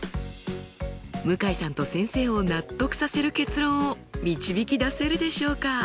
向井さんと先生を納得させる結論を導き出せるでしょうか？